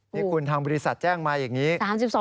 นี่คุณทางบริษัทแจ้งมาอย่างนี้